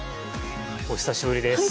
お久しぶりです。